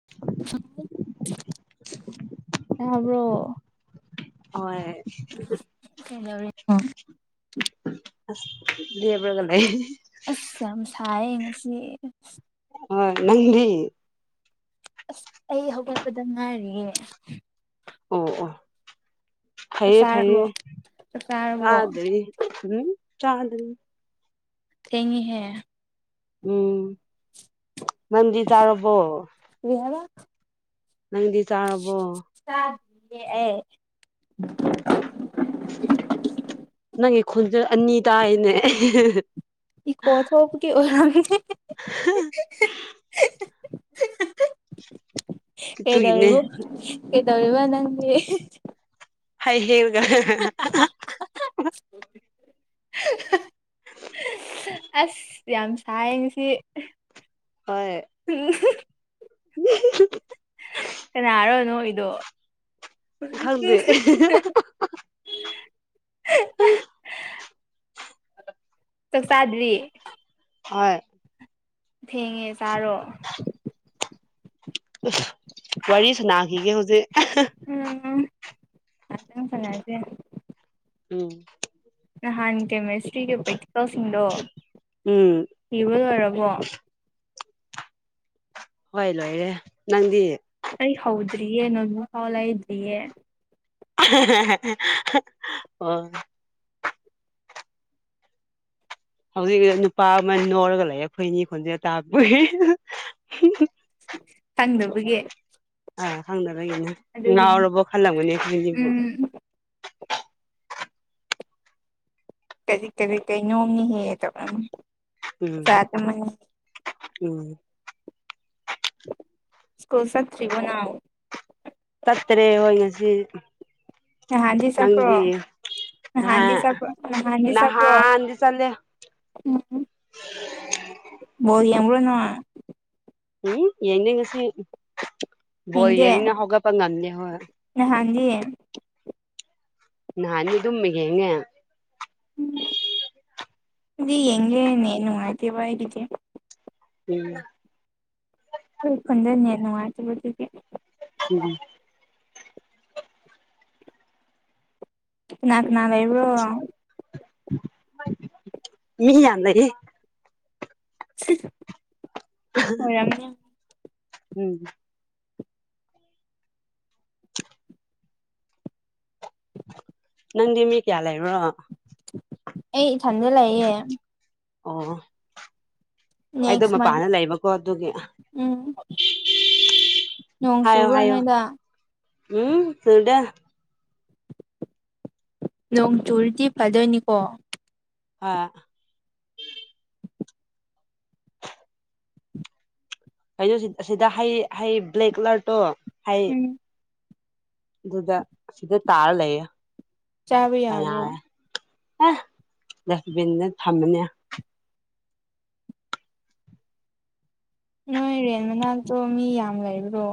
[inaudible] ꯇꯥꯕ꯭ꯔꯣ ꯍꯣꯏ ꯀꯩꯗꯧꯔꯤꯅꯣ ꯂꯦꯞꯔꯒꯂꯩ ꯑꯁ ꯌꯥꯝ ꯁꯥꯏ ꯉꯁꯤ ꯍꯣꯏ ꯅꯪꯗꯤ ꯑꯁ ꯑꯩ ꯍꯧꯒꯠꯄꯗ ꯉꯥꯏꯔꯤꯌꯦ ꯑꯣ ꯑꯣ ꯆꯥꯛ ꯐꯩꯌꯦ ꯐꯩꯌꯦ ꯆꯥꯔꯕꯣ ꯆꯥꯛ ꯆꯥꯔꯕꯣ ꯆꯥꯗꯔꯤ ꯎꯝ ꯆꯥꯗꯔꯤ ꯊꯦꯡꯉꯤꯍꯦ ꯎꯝ ꯃꯟꯗꯤ ꯇꯥꯔꯕꯣ ꯌꯥꯕ ꯅꯪꯗꯤ ꯆꯥꯔꯕꯣ ꯁꯥ ꯑꯦ ꯅꯪꯒꯤ ꯈꯨꯣꯟꯁꯨ ꯑꯅꯤ ꯇꯥꯏꯅꯦ ꯏꯀꯣꯁꯨ ꯀ ꯑꯣꯏꯔ ꯑꯗꯨꯒꯤꯅꯦ ꯀꯩꯗꯧꯔꯤꯔꯤꯕꯣ ꯀꯩ ꯇꯧꯔꯤꯔꯤꯕ ꯅꯪꯒꯤ ꯍꯩ ꯍꯦꯒ [inaudible] ꯑꯁ ꯌꯥꯝ ꯁꯥꯏ ꯉꯁꯤ ꯍꯣꯏ ꯄꯨꯅꯤ [unintelligible] [unintelligible] ꯀꯅꯥꯔꯣ ꯅꯣꯛꯏꯗꯣ ꯈꯪꯗꯦ [unintelligible] ꯆꯥꯛ ꯆꯗ꯭ꯔꯤ ꯍꯣꯏ ꯊꯦꯡꯉꯦ ꯆꯥꯔꯣ ꯋꯥꯔꯤ ꯁꯅꯥꯈꯤꯒꯦ ꯍꯧꯖꯤꯛ ꯎꯝ ꯐꯅꯗꯦ ꯎꯝ ꯅꯍꯥꯟ ꯀꯦꯃꯤꯁꯇ꯭ꯔꯤꯒꯤ ꯄ꯭ꯔꯦꯛꯛꯁꯄꯔꯁꯤꯡꯗꯣ ꯎꯝ ꯏꯕ ꯑꯣꯏꯔꯕꯣ ꯍꯣꯏ ꯂꯣꯏꯔꯦ ꯅꯪꯗꯤ ꯑꯩ ꯍꯧꯗ꯭ꯔꯤꯌꯦꯦ ꯅꯣꯕꯨ ꯍꯥꯎꯂꯥꯏꯗ꯭ꯔꯤꯌꯦꯦ ꯍ ꯍꯧꯖꯤꯛ ꯅꯨꯄꯥ ꯑꯃ ꯅꯣꯔꯒ ꯂꯩꯌꯦ ꯑꯩꯈꯣꯏꯅꯤ ꯈꯣꯟꯖꯦꯜ ꯇꯥꯛꯄꯒꯤ ꯍꯪꯗꯕꯒ ꯑꯥ ꯊꯥꯡꯗ ꯂꯩꯒꯅ ꯉꯅꯥꯔꯣꯕ ꯈꯜꯂꯝꯒꯅꯤꯅꯦꯖꯤꯕꯨ ꯎꯝ ꯀꯔꯤ ꯀꯔꯤ ꯀꯔꯤ ꯅꯣꯝꯅꯤ ꯍꯦꯛꯑꯦꯗꯕꯅ ꯎꯝ ꯎꯝ ꯁꯀꯣꯜꯁꯠ꯭ꯔꯤꯒꯣꯅ ꯀꯇꯔꯦ ꯍꯌꯦꯁꯤ ꯍꯥꯟꯗꯤ ꯆꯞ꯭ꯔꯣ ꯅꯍꯥꯟꯗꯤ ꯅꯍꯥꯟ ꯁ ꯅꯍꯥꯟꯗꯤ ꯁꯕ ꯅꯍꯥꯟꯗꯤ ꯆꯠꯂꯦ ꯎꯝ [unintelligible] ꯣ ꯌꯥꯝꯔꯣꯅ ꯎꯝ ꯌꯦꯡꯗ ꯉꯁꯤ ꯕꯣꯜ ꯌꯦꯡꯅ ꯍꯧꯒꯠꯄ ꯉꯝꯗꯦ ꯍꯣꯏ ꯍꯥꯟꯖꯤ ꯅꯍꯥꯟꯅꯤ ꯑꯗꯨꯝ ꯌꯦꯡꯉꯦ ꯎꯝ ꯑꯗꯨꯗꯤ ꯌꯦꯦ ꯅꯦ ꯅꯨꯉꯥꯏꯇꯦꯕ ꯏꯗꯤ ꯎꯝ ꯈꯟꯖꯅꯤ ꯅꯨꯡꯉꯥꯏꯇꯕꯗꯨꯗꯤ ꯎꯝ ꯂꯀ ꯅꯥꯟ ꯏꯕ꯭ꯔꯣ ꯃꯤ ꯌꯥꯗꯌꯦ ꯍꯣꯏ ꯌꯥꯝꯅ ꯎꯝ ꯅꯟꯗꯤ ꯃꯤ ꯀꯌꯥ ꯂꯩ ꯂꯩꯕ꯭ꯔꯣ ꯑꯩ ꯏꯊꯟꯗ ꯂꯩꯌꯦꯦ ꯑꯣ ꯑꯩꯗꯣ ꯅꯦꯛꯁ ꯃꯟ ꯃꯄꯥꯟ ꯂꯩꯕꯀꯣ ꯑꯗꯨꯒꯤ ꯎꯝ ꯅꯣꯡ ꯍꯥꯏꯌꯣ ꯆꯨꯕ꯭ꯔꯥ ꯍꯥꯏꯌꯣ ꯅꯣꯏꯗ ꯎꯝ ꯐꯗꯦ ꯅꯣꯡ ꯆꯨꯔꯗꯤ ꯐꯥꯗꯣꯏꯅꯤꯀꯣ ꯑ ꯀꯩꯅꯣ ꯁꯤꯗ ꯍꯩ ꯍꯩ ꯕ꯭ꯂꯦꯛ ꯀꯂꯔꯇꯣ ꯍꯥꯏ ꯎꯝ ꯑꯗꯨꯗ ꯁꯤꯗ ꯇꯥꯔ ꯂꯩꯌꯦ ꯆꯥꯕ ꯌꯥꯕ꯭ꯔꯣ ꯀꯌꯥꯦ ꯑ ꯗꯁꯕꯤꯤꯟ ꯊꯃꯅꯦ ꯅꯣꯏ ꯔꯦꯟ ꯃꯅꯥꯛꯇꯣ ꯃꯤ ꯌꯥꯝ ꯂꯩꯕ꯭ꯔꯣ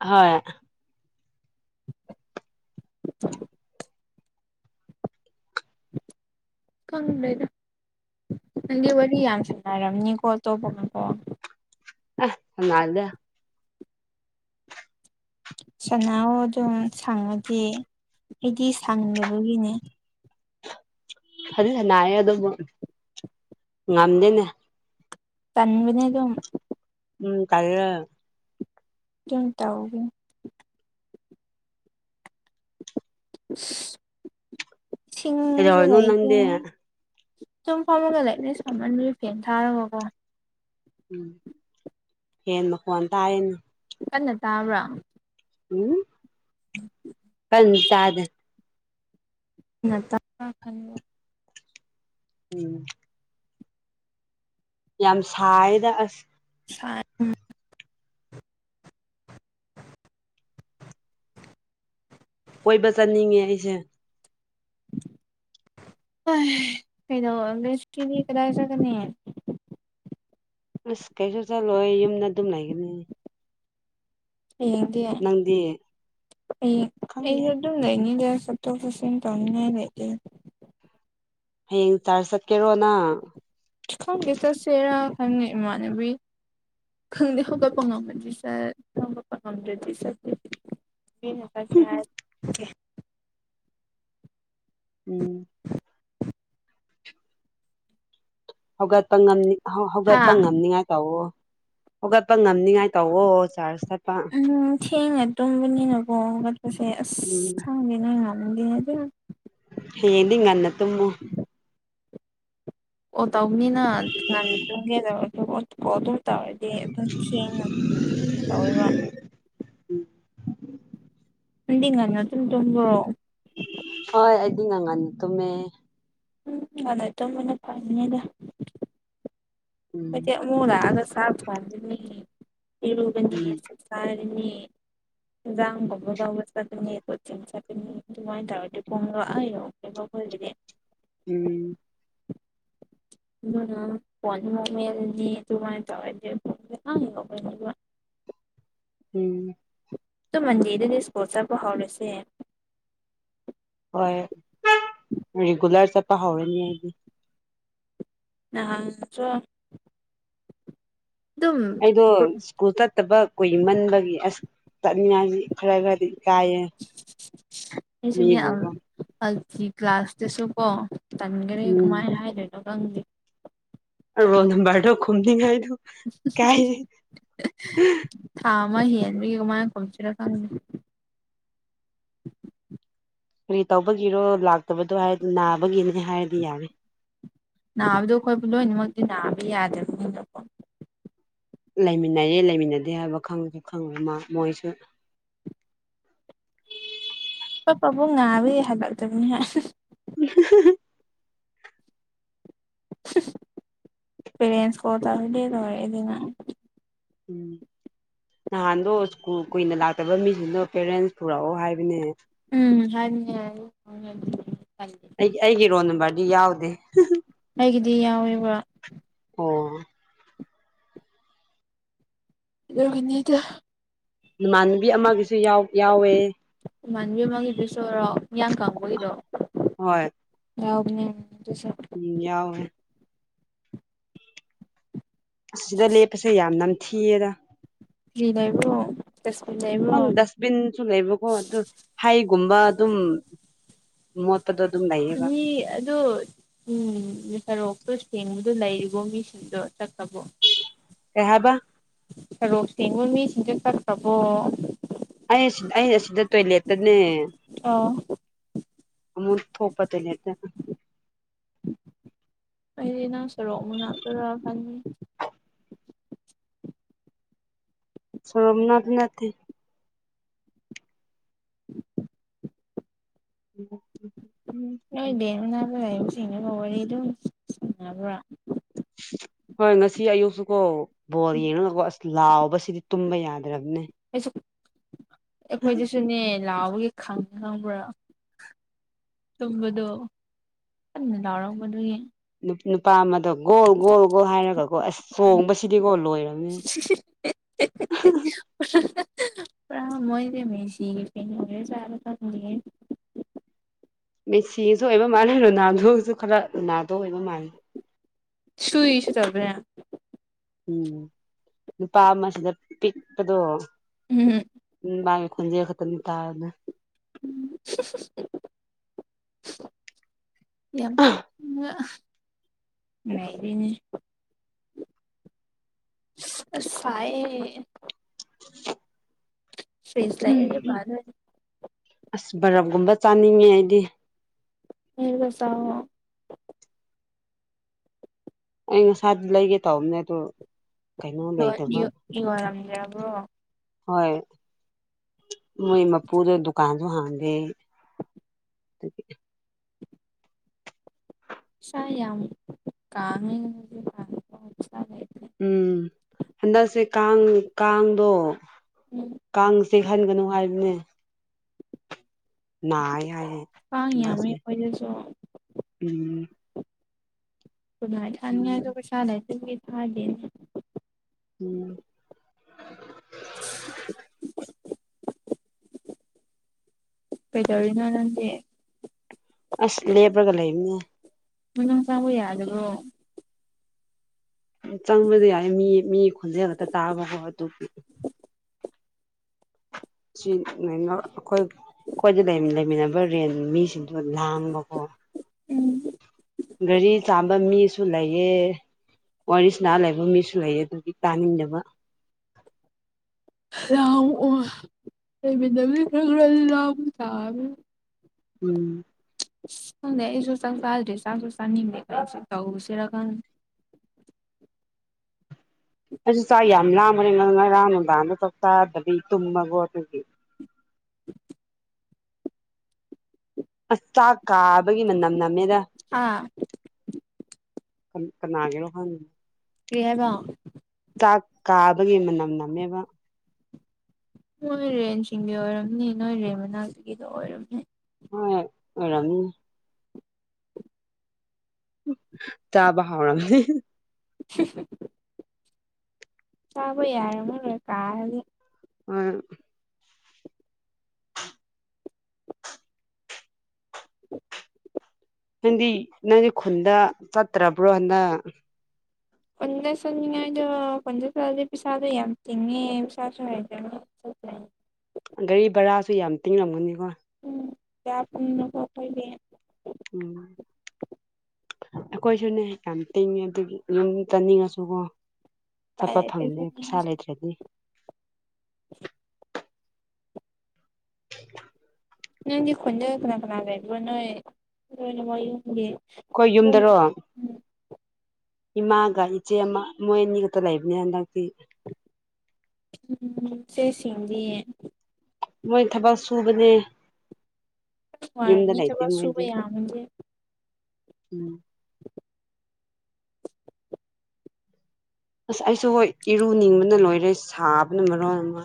ꯍꯣꯏ [unintelligible] ꯀꯪ ꯂꯩꯅ ꯅꯪꯗꯤ ꯋꯥꯔꯤ ꯌꯥꯝ ꯁꯥꯟꯅꯔꯕꯅꯤ ꯀꯣꯜ ꯇꯧꯕ ꯉꯀꯣ ꯑꯁꯜꯗ ꯁꯅꯥꯍꯎ ꯑꯗꯨꯝ ꯁꯪꯉꯗꯤ ꯑꯩꯗꯤ ꯁꯪꯗꯕꯒꯤꯅꯦ ꯐꯖꯟꯅꯥꯏꯌꯦ ꯑꯗꯨꯕꯨ ꯉꯝꯗꯦꯅꯦ ꯇꯟꯅꯦ ꯑꯗꯨ ꯎꯝ ꯇꯥꯏꯌꯦ ꯌꯨꯝ ꯇꯥꯎꯒꯦ ꯁꯤꯡꯖꯨ ꯀꯩꯗꯧꯔꯤꯅꯣ ꯂꯩꯗꯦ ꯅꯪꯗꯤ ꯁꯨꯝ ꯐꯝꯃꯒ ꯂꯩꯅꯦ ꯐꯝꯃꯟꯕꯤ ꯐꯦꯟ ꯊꯥꯔꯒꯀꯣ ꯎꯝ ꯍꯦꯟ ꯃꯈꯣꯟ ꯇꯥꯏꯅ ꯀꯟꯅ ꯇꯥꯕ꯭ꯔꯥ ꯎꯝ ꯎꯝ [unintelligible] ꯇꯥꯗꯦ ꯇꯞꯅ ꯇꯥꯏ꯫ ꯎꯝ ꯌꯥꯝ ꯁꯥꯏꯗ ꯑꯁ ꯁ ꯀꯣꯏꯕ ꯆꯠꯅꯤꯡꯉꯦ ꯑꯩꯁꯦ ꯀꯗꯧꯀꯤ ꯀꯗꯥꯢ ꯍꯥꯏ ꯑꯁ ꯀꯩꯁꯨ ꯆꯠꯂꯣꯏ ꯌꯨꯝꯗ ꯑꯗꯨꯝ ꯂꯩꯒꯅꯤ [unintelligible] ꯑꯩꯗꯤ ꯅꯪꯗꯤ ꯑꯩ ꯈꯪꯗꯦ ꯑꯗꯨꯝ ꯂꯩꯅꯤꯗ ꯁꯇ ꯐꯁꯟ ꯇꯧꯅꯤꯡꯉ ꯂꯩꯗꯦ ꯍꯌꯦꯡ ꯆꯥꯔꯖ ꯆꯠꯀꯦꯔꯣꯅ ꯈꯪꯗꯦ ꯆꯠꯁꯦꯔꯥ ꯈꯪꯗꯦ ꯏꯃꯥꯟꯅꯕꯤ ꯈꯪꯗ ꯍꯒꯄꯨꯡꯉ ꯑꯃꯗꯤ ꯁꯥꯔ ꯍꯒꯄꯉꯝꯗꯗꯤꯁꯔ ꯅꯔ ꯀꯦ ꯍꯥꯏꯀꯦ ꯎꯝ ꯍꯧꯒꯠꯄ ꯉꯝ ꯍꯧꯒꯠꯄ ꯍꯥ ꯉꯝꯅꯤꯡꯉꯥꯏ ꯇꯋ ꯆꯥꯔꯖ ꯆꯠꯄ ꯎꯝ ꯊꯦꯡꯅ ꯇꯨꯝꯕꯅꯤꯅ ꯀꯣ ꯆꯁꯦ ꯑꯁ ꯎꯝ ꯊꯥꯡꯗꯤꯅꯅꯥꯉ ꯅꯗꯤꯅꯦ ꯑꯗꯨ ꯍꯌꯦꯡꯗꯤ ꯉꯟꯅ ꯇꯨꯝꯃꯨ [inaudible] ꯑꯣ ꯇꯧꯕꯅꯤꯅ ꯅꯥꯟ ꯆꯪꯒꯦ ꯀꯣ ꯑꯗꯨꯝ ꯇꯧꯔꯗꯤ ꯑꯗꯨꯝ ꯊꯦꯡꯅ ꯇꯧꯋꯦꯕ ꯎꯝ ꯗꯤ ꯉ ꯑꯗꯨ ꯇꯣꯡꯣ ꯍꯣꯏ ꯑꯗꯨꯗꯤ ꯉ ꯑꯉꯥꯟꯅꯤꯠꯇꯃꯦ ꯎꯝ ꯐꯅꯥꯏꯠꯇꯣ ꯃꯅ ꯐꯉꯗ ꯎꯝ ꯑꯩꯣꯏꯠꯇ ꯑꯃꯃ ꯂ ꯍꯥꯏꯒ ꯁꯥꯐ ꯈꯗꯅꯤ ꯄꯤꯔꯨꯕꯅꯤ ꯎꯝ ꯁꯁꯥꯥꯏꯅꯤ ꯥꯥꯡꯒꯕꯨꯗꯎꯕꯨꯁꯗꯗ ꯀꯣ ꯆꯤꯡꯆꯥꯦ ꯃꯥꯏꯟ ꯇꯔꯗꯤꯄꯉꯡꯂꯣ ꯑꯏꯣ ꯈꯣꯏꯒꯗꯤ ꯎꯝ [unintelligible] ꯃꯗꯤ ꯇꯃꯥꯏ ꯇꯧꯋꯥꯦ ꯌ ꯎꯝ ꯃꯟꯖꯦꯗꯗꯤ ꯏꯁꯄꯣꯠꯁꯕꯨ ꯍꯧꯥꯎꯔꯁꯦ ꯍꯣꯏ ꯔꯤꯒꯨꯂꯔ ꯆꯠꯄ ꯍꯧꯔꯅꯤ ꯑꯩꯗꯤ [unintelligible] ꯑꯗꯨꯝ ꯑꯩꯗꯣ ꯁ꯭ꯀꯨꯜ ꯆꯠꯇꯕ ꯀꯨꯃꯟꯕꯒꯤ ꯑꯁ ꯆꯠꯅꯤꯡꯉꯥꯏꯗꯤ ꯈꯔ ꯈꯔꯗꯤ ꯀꯥꯏꯌꯦ ꯑꯩꯁꯤꯅꯦ ꯑꯜ ꯀ꯭ꯂꯥꯁꯇꯁꯨ ꯀꯣ ꯇꯟꯈꯔꯦ ꯎꯝ ꯀꯃꯥꯏꯅ ꯍꯥꯏꯔꯒꯦ [unintelligible] ꯔꯣꯜ ꯅꯝꯕꯔꯗꯣ ꯈꯨꯝꯅꯤꯉꯥꯏꯗꯣ ꯊꯥ ꯑꯃ ꯍꯦꯟꯕꯒꯤꯃꯥꯏꯅ ꯈꯁꯤꯔ ꯈꯪꯅꯤ ꯀꯔꯤ ꯇꯧꯕꯒꯤꯔꯣ ꯂꯥꯛꯇꯕꯗꯣ ꯍꯥꯏꯔꯗꯤ ꯅꯥꯕꯒꯤꯅꯦ ꯍꯥꯏꯔꯗꯤ ꯌꯥꯅꯤ ꯅꯥꯕꯗꯣ ꯑꯩꯈꯣꯏ ꯂꯣꯏꯅꯃꯛꯇꯤ ꯅꯥꯕ ꯌꯥꯗꯦꯕꯅ ꯂꯩꯃꯤꯟꯅꯔꯦ ꯂꯩꯃꯤꯟꯅꯗꯦ ꯍꯥꯏꯕ ꯈꯪꯉꯁꯨ ꯈꯪꯉ ꯑꯃ ꯃꯣꯏꯁꯨ ꯑꯣꯄꯕꯨ ꯉꯥꯔ ꯍꯥꯏꯜꯂꯛꯇꯕꯅꯤ ꯍꯥꯏ [unintelligible] ꯄꯦꯔꯦꯟꯁ ꯀꯣ ꯇꯗꯦꯗꯦꯗꯅ ꯎꯝ ꯅꯍꯥꯟꯗꯣ ꯁ꯭ꯀꯨꯜ ꯀꯨꯏꯅ ꯂꯥꯛꯇꯕ ꯃꯤꯁꯤꯡꯗꯣ ꯄꯦꯔꯦꯟꯁ ꯄꯨꯔꯛꯑꯣ ꯍꯥꯏꯕꯅꯦ ꯎꯝ ꯍꯥꯏꯕꯅꯦ ꯍꯥꯏꯌꯦ ꯑꯩꯒꯤ ꯑꯩꯒꯤ ꯔꯣꯟ ꯅꯝꯕ꯭ꯔꯗꯤ ꯌꯥꯎꯗꯦ ꯑꯩꯒꯤꯗꯤ ꯌꯥꯎꯋꯦꯕ ꯑꯣ ꯑꯗꯨꯒꯤꯅꯤꯗꯥ ꯅꯃꯥꯟꯅꯕꯤ ꯑꯃꯒꯤꯁꯨ ꯌꯥꯎ ꯌꯥꯎꯋꯦ ꯏꯃꯥꯟꯅꯕꯤ ꯑꯃꯒꯤꯗꯨꯁꯨꯔꯣ ꯃꯌꯥꯡ ꯀꯡꯕꯒꯤꯗꯣ ꯍꯣꯏ ꯌꯥꯎꯕꯅꯦ ꯑꯗꯨꯁꯨ ꯎꯝ ꯌꯥꯎꯋꯦ ꯑꯁ ꯁꯤꯗ ꯂꯦꯞꯄꯁꯦ ꯌꯥꯝ ꯅꯝꯊꯤꯌꯦꯗꯥ ꯀꯔꯤ ꯂꯩꯕ꯭ꯔꯣ ꯇ꯭ꯁꯄꯤꯟ ꯂꯩ ꯈꯟ ꯗ꯭ꯁꯕꯤꯟꯆꯨ ꯂꯩꯕꯀꯣ ꯑꯗꯨ ꯍꯩꯒꯨꯝꯕ ꯑꯗꯨꯝ ꯃꯣꯠꯄꯗꯣ ꯑꯗꯨꯝ ꯂꯩꯌꯦꯕ ꯊꯤ ꯑꯗꯨꯠ ꯎꯝ ꯁꯔꯣꯛꯇꯣ ꯁꯦꯡꯕꯗꯣ ꯂꯩꯔꯤꯕꯣ ꯃꯤꯁꯤꯡꯗꯣ ꯆꯠꯈ꯭ꯔꯕꯣ ꯀꯩ ꯍꯥꯏꯕ ꯁꯔꯣꯛ ꯁꯦꯡꯕ ꯃꯤꯁꯤꯡꯗꯣ ꯆꯠꯈ꯭ꯔꯕꯣ ꯑꯩ ꯑꯁꯤꯗ ꯑꯩ ꯑꯁꯤꯗ ꯇꯣꯏꯂꯦꯠꯇꯅꯦ ꯑ ꯑꯃꯨꯟ ꯊꯣꯛꯄꯗ ꯂꯦꯞꯇꯦꯗ ꯑꯩꯗꯤ ꯅꯪ ꯁꯣꯔꯣꯛ ꯃꯅꯥꯛꯇꯔ ꯈꯟꯕꯅꯤ ꯁꯣꯔꯣꯝ ꯃꯅꯥꯛꯇ ꯅꯠꯇꯦ [inaudible] ꯎꯝ ꯅꯣꯏꯗꯦ ꯃꯅꯥꯛꯇ ꯂꯩꯕꯁꯤꯡꯗꯨꯒ ꯋꯥꯔꯤ ꯑꯗꯨꯝ ꯁꯥꯅꯕ꯭ꯔꯥ ꯍꯣꯏ ꯉꯁꯤ ꯑꯌꯨꯛꯁꯨꯀꯣ ꯕꯣꯜ ꯎꯝ ꯌꯦꯡꯔꯒꯀꯣ ꯑꯁ ꯂꯥꯎꯕꯁꯤꯗꯤ ꯇꯨꯝꯕ ꯌꯥꯗ꯭ꯔꯕꯅꯦ ꯑꯩꯁꯨ ꯑꯩꯈꯣꯏꯗꯁꯨꯅꯦ ꯂꯥꯎꯕꯒꯤ ꯈꯪꯉ ꯈꯪꯕ꯭ꯔꯥ ꯇꯨꯝꯕꯗꯣ ꯀꯟꯅ ꯂꯥꯎꯔꯝꯕꯗꯨꯒꯤ ꯅꯨꯄꯥ ꯑꯃꯗꯣ ꯒꯣꯜ ꯒꯣꯜ ꯒꯣꯜ ꯍꯥꯏꯔꯒꯀꯣ ꯑꯁ ꯆꯣꯡꯕꯁꯤꯗꯤꯀꯣ ꯂꯣꯏꯔꯦ [inaudible] ꯄꯨꯔꯥ ꯃꯣꯏꯗꯤ ꯃꯦꯁꯤꯒꯤ ꯐꯦꯟ ꯑꯣꯏꯔꯖꯥꯔ ꯈꯪꯗꯦꯍꯦ ꯃꯦꯁꯤꯁꯨ ꯑꯣꯏꯕ ꯃꯥꯜꯂꯦ ꯔꯣꯅꯥꯜꯗꯣꯁꯨ ꯈꯔ ꯔꯣꯅꯥꯜꯗꯣ ꯑꯣꯏꯕ ꯃꯥꯜꯂꯦ ꯁꯨꯏꯁꯨ ꯇꯧꯕꯅꯦ ꯎꯝ ꯅꯨꯄꯥ ꯑꯃ ꯁꯤꯗ ꯄꯤꯛꯄꯗꯣ ꯎꯝ ꯎꯝ ꯃꯥꯒꯤ ꯈꯣꯟꯖꯦꯜ ꯈꯛꯇꯃꯤ ꯇꯥꯔꯅꯦ ꯎꯝ ꯌꯥꯝ ꯄꯤꯛꯅ ꯅꯩꯔꯦꯅꯦ ꯑꯁ ꯁꯥꯏꯌꯦ ꯐ꯭ꯔꯤꯁ ꯂꯩꯥꯔꯗꯤ ꯐꯗꯣꯏꯅꯤ ꯑꯁ ꯕꯔꯞꯒꯨꯝꯕ ꯆꯥꯅꯤꯡꯉꯦ ꯑꯩꯗꯤ ꯂꯩꯔꯒ ꯆꯥꯎꯋꯣ ꯑꯩ ꯉꯁꯥꯗꯤ ꯂꯩꯒꯦ ꯇꯧꯕꯅꯦ ꯑꯗꯨ ꯀꯩꯅꯣ ꯂꯣꯏ ꯂꯩꯇꯕ ꯃ꯭ꯌꯨꯠ ꯌꯣꯜꯂꯝꯗ꯭ꯔꯕꯣ ꯍꯣꯏ ꯃꯣꯏ ꯃꯄꯨꯗꯨ ꯗꯨꯀꯥꯟꯖꯨ ꯍꯥꯡꯗꯦ ꯑꯗꯨꯒꯤ ꯏꯁꯥ ꯌꯥꯝ ꯀꯥꯡꯉꯦ ꯉꯁꯤꯗꯤ ꯎꯝ ꯍꯟꯗꯛꯁꯦ ꯀꯥꯡ ꯀꯥꯡꯗꯣ ꯎꯝ ꯀꯥꯡꯁꯦꯍꯟꯒꯅꯨ ꯍꯥꯏꯕꯅꯦ ꯑ ꯍꯥꯏꯌꯦ ꯀꯥꯡꯉꯤ ꯍꯟꯗꯛꯁꯦ ꯑꯣꯏꯗꯁꯨ ꯎꯝ ꯍꯥꯏ ꯎꯝ ꯀꯩꯁꯂ ꯍꯥꯏ ꯎꯝ [inaudible] ꯀꯩꯗꯧꯔꯤꯅꯔꯗꯤ ꯑꯁ ꯂꯦꯕꯔꯒ ꯂꯩꯕꯅꯦ ꯅꯪ ꯆꯥꯕ ꯌꯥꯗ꯭ꯔꯣ ꯆꯪꯕꯗꯤ ꯌꯥꯏ ꯃꯤ ꯃꯤ ꯈꯣꯟꯖꯦꯜ ꯈꯛꯇ ꯇꯥꯕꯀꯣ ꯑꯗꯨ ꯁꯤ ꯅꯣꯏꯅ ꯑꯩꯈꯣꯏ ꯑꯩꯈꯣꯏꯗ ꯂꯩꯃꯤꯟꯅꯕ ꯔꯦꯟ ꯃꯤꯁꯤꯡꯗꯣ ꯂꯥꯡꯕꯀꯣ ꯎꯝ ꯒꯥꯔꯤ ꯆꯥꯝꯕ ꯃꯤꯁꯨ ꯂꯩꯑ ꯋꯥꯔꯤꯁꯤꯅꯥ ꯂꯩꯕ ꯃꯤꯁꯨ ꯂꯩꯌꯦ ꯑꯗꯨꯒꯤ ꯇꯥꯅꯤꯡꯗꯕ ꯂꯕꯤꯗ ꯂ ꯆ ꯎꯝ ꯑꯩꯁꯨ ꯆꯪ ꯆꯥꯗ꯭ꯔꯦ ꯆꯁꯨ ꯆꯥꯟꯅꯤꯡꯗꯦ ꯀꯁꯨ ꯆꯎꯁꯦꯔꯒꯥꯟ ꯑꯩ ꯆꯥꯛ ꯌꯥꯝ ꯂꯥꯡꯕꯅꯤꯦ ꯉ ꯉꯔꯥꯡ ꯅꯨꯕꯗ ꯆꯥꯛ ꯆꯥꯗꯕꯤ ꯇꯨꯝꯃꯒꯣ ꯑꯗꯨꯒꯤ [inaudible] ꯑꯁ ꯆꯥꯛ ꯀꯥꯕꯒꯤ ꯃꯅꯝ ꯅꯝꯃꯦꯗ ꯑꯥ ꯀ ꯀꯅꯥꯒꯦꯅꯣ ꯍꯥꯟ ꯀ ꯍꯥꯏꯕ ꯆꯥꯛ ꯀꯥꯕꯒꯤ ꯃꯅꯝ ꯅꯝꯃꯦꯕ ꯅꯣꯏ ꯔꯦꯟꯁꯤꯡꯒꯤ ꯑꯣꯏꯔꯝꯅꯤ ꯅꯣꯏ ꯔꯦꯟ ꯃꯅꯥꯒꯤꯗ ꯑꯣꯏꯔꯝꯅꯤ ꯍꯔꯝ ꯆꯥꯕ ꯍꯥꯥꯎꯔꯅꯤ ꯁꯤ ꯆꯕ ꯌꯥꯔꯃꯣꯏ ꯀꯥ ꯍ ꯅꯪꯗꯤ ꯅꯪꯗꯤ ꯈꯨꯟꯗ ꯆꯠꯇ꯭ꯔꯕ꯭ꯔꯣ ꯍꯟꯅ ꯄꯟꯗꯁꯉꯥꯏꯗꯣ ꯄꯟꯗꯁꯗꯤ ꯄꯩꯁꯥꯗ ꯌꯥꯝ ꯊꯤꯉꯦ ꯄꯁꯥꯁꯨ ꯍꯥꯏꯖꯣ [unintelligible] ꯒꯥꯔꯤ ꯚꯔꯥꯁꯨ ꯌꯥꯝ ꯇꯤꯡꯂꯝꯒꯅꯤꯀꯣ ꯎꯝ ꯌꯥ ꯄꯨꯅꯅꯕ ꯀꯩꯒꯦ ꯎꯝ ꯑꯩꯈꯣꯏꯁꯨꯅꯦ ꯌꯥꯝ ꯇꯤꯡꯉꯤ ꯑꯗꯨꯒꯤ ꯌꯨꯝ ꯆꯥꯅꯤꯡꯉꯁꯨꯀꯣ ꯎꯄꯥꯏ ꯆꯠꯄ ꯂꯩꯇꯦ ꯐꯪꯅꯤꯦ ꯄꯩꯁꯥ ꯆꯠꯅꯤꯡꯉꯁꯨ ꯂꯩꯇ꯭ꯔꯗꯤ [inaudible] [inaudible] ꯅꯪ ꯌꯦꯦ ꯈꯣꯏꯅ ꯀꯅꯥ ꯀꯅꯥꯔꯦꯕꯨ ꯅꯣꯏ ꯅꯣꯏ ꯅꯃ ꯌꯨꯝꯒꯤ ꯑꯩꯣꯏ ꯅꯣꯏꯅ ꯌꯨꯝꯗꯔꯣ ꯎꯝ ꯏꯃꯥꯒ ꯏꯆꯦ ꯑꯃ ꯃꯣꯏ ꯑꯅꯤꯒꯛꯇ ꯂꯩꯕꯅꯤ ꯍꯟꯗꯛꯇꯤ ꯎꯝ ꯁꯦꯁꯤꯗꯤ ꯃꯣꯏ ꯊꯕꯛ ꯁꯨꯕꯅꯦ ꯁꯃ ꯌꯨꯝꯗ ꯂꯩꯇꯦ ꯃꯤꯖꯕꯥꯁꯨꯕ ꯃꯣꯏꯗꯤ ꯌꯥ ꯎꯝ [unintelligible] ꯑꯁ ꯑꯩꯁꯨ ꯍꯣꯏ ꯏꯔꯨꯅꯤꯡꯕꯅ ꯂꯣꯏꯔꯦ ꯁꯥꯕꯅ ꯃꯔꯣ ꯑꯃ